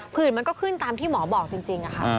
มันก็ขึ้นตามที่หมอบอกจริงค่ะ